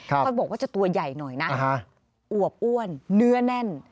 เขาบอกว่าจะตัวใหญ่หน่อยนะอวบอ้วนเนื้อแน่น